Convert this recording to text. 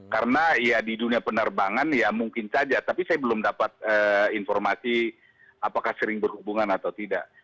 karena ya di dunia penerbangan ya mungkin saja tapi saya belum dapat informasi apakah sering berhubungan atau tidak